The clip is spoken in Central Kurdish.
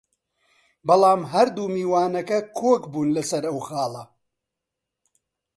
بەڵام هەردوو میوانەکە کۆک بوون لەسەر ئەو خاڵە